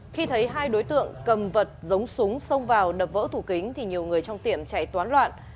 khi thấy hai đối tượng cầm vật giống súng xông vào đập vỡ thủ kính thì nhiều người trong tiệm chạy toán loạn